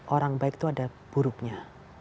orang baik itu ada buruknya